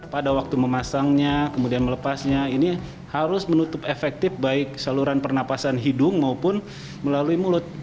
pada waktu memasangnya kemudian melepasnya ini harus menutup efektif baik saluran pernapasan hidung maupun melalui mulut